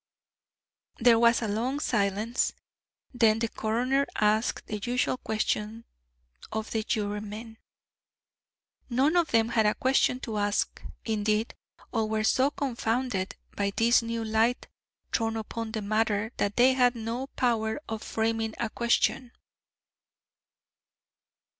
There was a long silence. Then the coroner asked the usual question of the jurymen. None of them had a question to ask; indeed, all were so confounded by this new light thrown upon the matter that they had no power of framing a question.